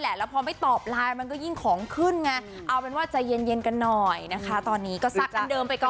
แล้วพอไม่ตอบไลน์มันก็ยิ่งของขึ้นไงเอาเป็นว่าใจเย็นกันหน่อยนะคะตอนนี้ก็ซักน้ำเดิมไปก่อน